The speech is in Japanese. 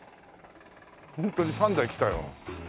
ホントに３台来たよ。